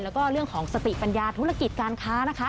แล้วก็เรื่องของสติปัญญาธุรกิจการค้านะคะ